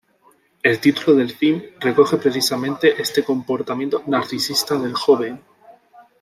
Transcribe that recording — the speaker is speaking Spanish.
El título del film recoge precisamente este comportamiento narcisista del joven.